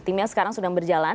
timnya sekarang sudah berjalan